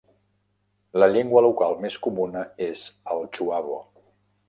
La llengua local més comuna és el "chuabo".